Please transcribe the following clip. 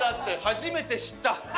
初めて知った。